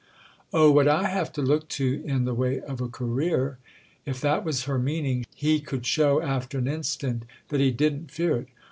"Oh, what I have to look to in the way of a career?" If that was her meaning he could show after an instant that he didn't fear it.